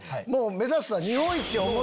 目指すは。